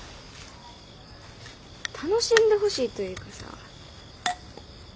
楽しんでほしいというかさ。